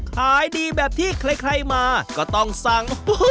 ขายดีแบบที่ใครมาก็ต้องสั่ง